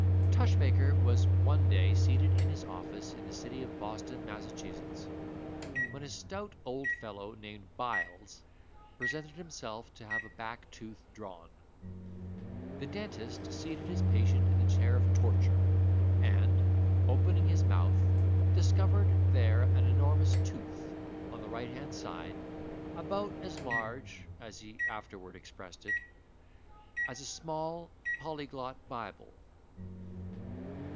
Tushmaker was one day seated in his office, in the city of Boston, Massachusetts, when a stout old fellow named Byles presented himself to have a back tooth drawn. The dentist seated his patient in the chair of torture, and, opening his mouth, discovered there an enormous tooth, on the right hand side, about as large, as he afterward expressed it, "as a small Polyglot Bible."